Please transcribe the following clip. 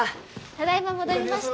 ただいま戻りました。